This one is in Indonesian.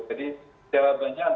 jadi jawabannya untuk semua orang